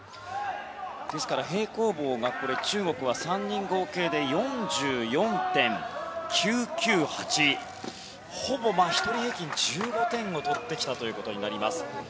平行棒が中国は３人合計で４４．９９８ですのでほぼ１人平均１５点を取ってきたことになります。